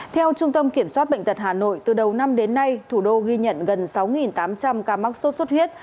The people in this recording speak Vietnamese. theo trung tâm kiểm soát bệnh tật hà nội từ đầu năm đến nay thủ đô ghi nhận gần sáu tám trăm linh ca mắc sốt xuất huyết